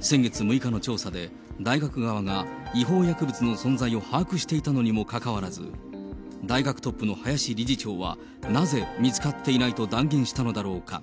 先月６日の調査で、大学側が違法薬物の存在を把握していたのにもかかわらず、大学トップの林理事長は、なぜ見つかっていないと断言したのだろうか。